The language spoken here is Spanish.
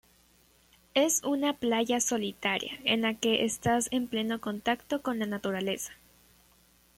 Es una playa solitaria en la que estás en pleno contacto con la naturaleza.